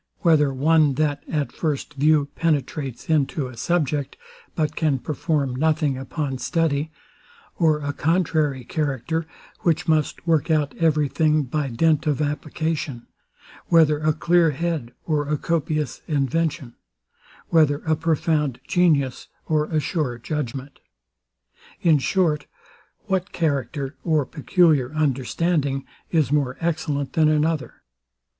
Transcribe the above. whether one, that at first view penetrates into a subject, but can perform nothing upon study; or a contrary character, which must work out every thing by dint of application? whether a clear head, or a copious invention? whether a profound genius, or a sure judgment? in short, what character, or peculiar understanding, is more excellent than another?